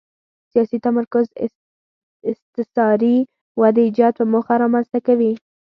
سیاسي تمرکز استثاري ودې ایجاد په موخه رامنځته کوي.